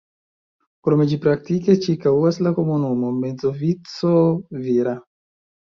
Krome ĝi praktike ĉirkaŭas la komunumon Mezzovico-Vira.